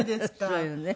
そうよね。